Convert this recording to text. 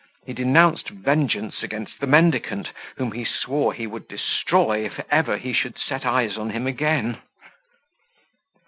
He denounced vengeance against the mendicant, whom he swore he would destroy if ever he should set eyes on him again.